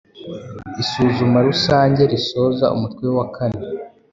Isuzuma rusange risoza umutwe wa kane